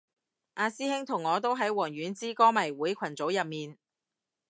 阿師兄同我都喺王菀之歌迷會群組入面